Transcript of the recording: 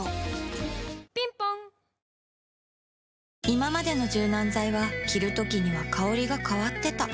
いままでの柔軟剤は着るときには香りが変わってた